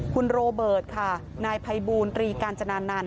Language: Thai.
คุณโรเบิร์ตค่ะนายภัยบูรตรีกาญจนานันต